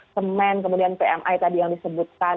semen kemudian pmi tadi yang disebutkan